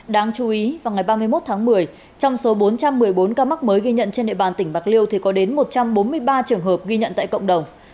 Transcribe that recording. đáng chú ý vào ngày ba mươi một tháng một mươi trong số bốn trăm một mươi bốn ca mắc mới ghi nhận trên địa bàn tỉnh bạc liêu thì có đến một trăm bốn mươi ba trường hợp ghi nhận tại cộng đồng